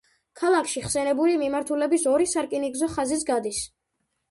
ქალაქში ხსენებული მიმართულების ორი სარკინიგზო ხაზიც გადის.